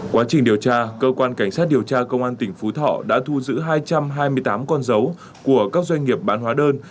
quá trình điều tra cơ quan cảnh sát điều tra công an tỉnh phú thọ đã thu giữ hai trăm hai mươi tám con dấu của các doanh nghiệp bán hóa đơn